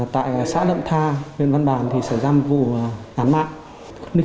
tại xã nậm tha huyện văn bàn thì xảy ra một vụ án mạng